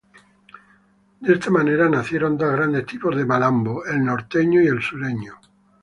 De esta manera, nacieron dos grandes tipos de malambo: el "norteño" y el "sureño".